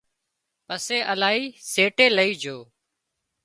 پسي الاهي سيٽي لئي جھو